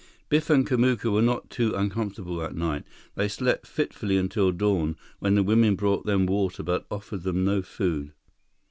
Biff and Kamuka were not too uncomfortable that night. They slept fitfully until dawn, when the women brought them water but offered them no food.